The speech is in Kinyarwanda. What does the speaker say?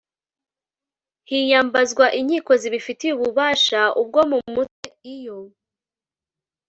hiyambazwa inkiko zibifitiye ububasha ubwo mu mutwe iyo